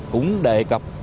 cũng đề cập